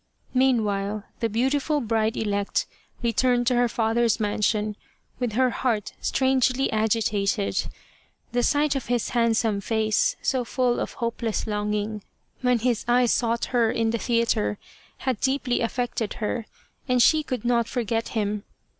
Meanwhile, the beautiful bride elect returned to her father's mansion with her heart strangely agitated. The sight of his handsome face, so full of hopeless longing, when his eyes sought her in the theatre, had deeply affected her, and she could not forget him.